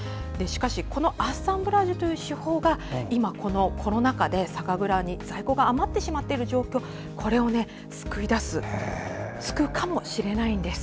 しかしアッサンブラージュという手法がコロナ禍で酒蔵に在庫が余っている状況救い出すかもしれないんです。